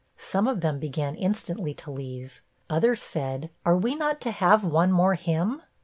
Some of them began instantly to leave; others said, 'Are we not to have one more hymn?'